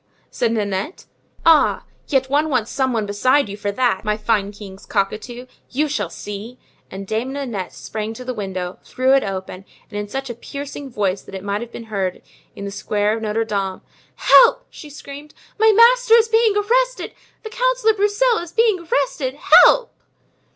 said Nanette. "Ah! yet one wants some one besides you for that, my fine king's cockatoo! You shall see." And Dame Nanette sprang to the window, threw it open, and in such a piercing voice that it might have been heard in the square of Notre Dame: "Help!" she screamed, "my master is being arrested; the Councillor Broussel is being arrested! Help!"